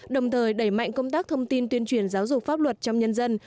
đồng thời đẩy mạnh công tác thông tin tuyên truyền giáo dục pháp luật trong nhân dân